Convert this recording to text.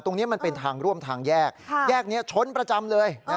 ตรงนี้มันเป็นทางร่วมทางแยกแยกนี้ชนประจำเลย